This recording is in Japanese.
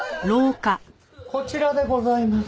こちらでございます。